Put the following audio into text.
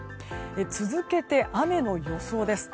続けて雨の予想です。